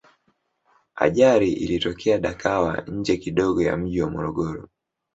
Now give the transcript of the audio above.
ajari ilitokea dakawa nje kidogo ya mji wa morogoro